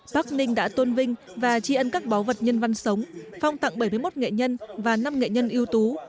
bắc ninh đã tôn vinh và chi ân các báu vật nhân văn sống phong tặng bảy mươi một nghệ nhân và năm nghệ nhân yếu tố